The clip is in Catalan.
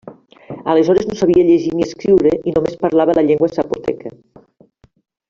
Aleshores, no sabia llegir ni escriure, i només parlava la llengua zapoteca.